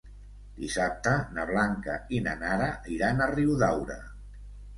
Dissabte na Blanca i na Nara iran a Riudaura.